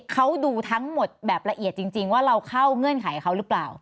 เขาดูทั้งหมดแบบละเอียดจริงว่าเราเข้าเงื่อนไขเขาหรือเปล่า